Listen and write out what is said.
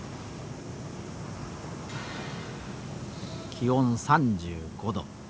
気温３５度。